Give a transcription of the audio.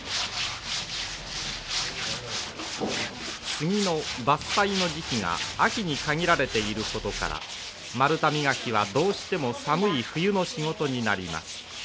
杉の伐採の時期が秋に限られていることから丸太磨きはどうしても寒い冬の仕事になります。